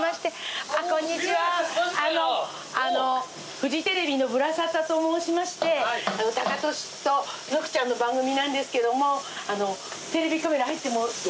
フジテレビの『ぶらサタ』と申しましてタカトシと温ちゃんの番組なんですけどもテレビカメラ入ってもいいですか？